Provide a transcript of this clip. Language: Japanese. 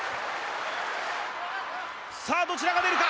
さあどちらが出るか？